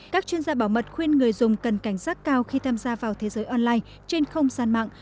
các chuyên gia bảo mật khuyên người dùng cần cảnh giác cao khi tham gia vào thế giới online trên không gian mạng